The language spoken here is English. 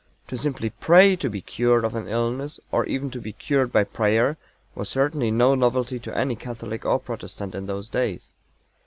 To simply pray to be cured of an illness, or even to be cured by prayer, was certainly no novelty to any Catholic or Protestant in those days.